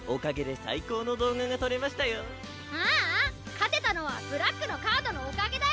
勝てたのはブラックのカードのおかげだよ。